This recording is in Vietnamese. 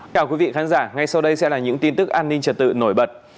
chào quý vị khán giả ngay sau đây sẽ là những tin tức an ninh trật tự nổi bật